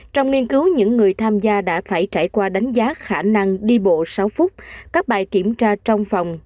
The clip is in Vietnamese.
trong nghiên cứu những người tham gia đã phải trải qua đánh giá khả năng đi bộ sáu phút các bài kiểm tra trong phòng